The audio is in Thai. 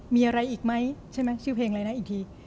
มีอะไรอีกไหมใช่ไหมชื่อเพลงอะไรนะอีกที